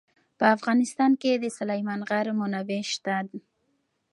په افغانستان کې د سلیمان غر منابع شته.